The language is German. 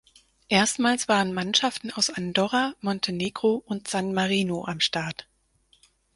Erstmals waren Mannschaften aus Andorra, Montenegro und San Marino am Start.